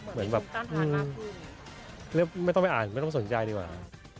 เหมือนแบบไม่ต้องไปอ่านไม่ต้องสนใจดีกว่า